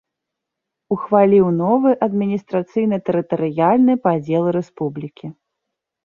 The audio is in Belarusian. Ухваліў новы адміністрацыйна-тэрытарыяльны падзел рэспублікі.